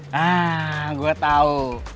nah gue tau